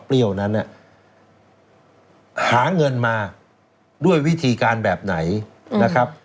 นั้นหาเงินมาด้วยวิธีการแบบไหนนะครับ